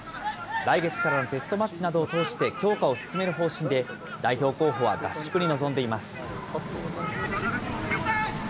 来月からのテストマッチなどを通して強化を進める方針で、代表候補は合宿に臨んでいます。